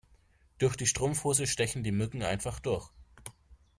Durch die Strumpfhose stechen die Mücken einfach durch.